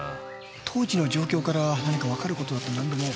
当時の状況から何かわかる事があったらなんでも。